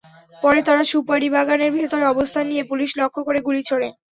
পরে তারা সুপারিবাগানের ভেতরে অবস্থান নিয়ে পুলিশ লক্ষ্য করে গুলি ছোড়ে।